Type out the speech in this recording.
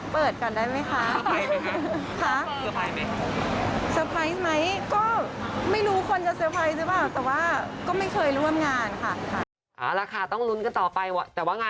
เดี๋ยวรอเขาเปิดกันได้ไหมคะ